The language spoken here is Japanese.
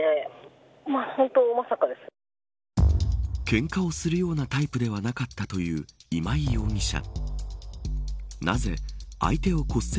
けんかをするようなタイプではなかったという今井容疑者。